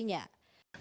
dan juga implementasinya